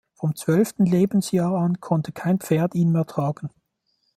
Vom zwölften Lebensjahr an konnte kein Pferd ihn mehr tragen.